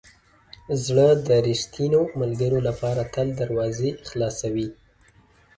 زړه د ریښتینو ملګرو لپاره تل دروازې خلاصوي.